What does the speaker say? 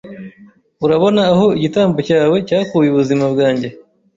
urabona aho igitambo cyawe cyakuye ubuzima bwanjye!